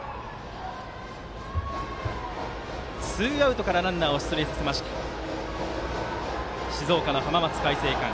ツーアウトからランナーを出塁させた静岡の浜松開誠館。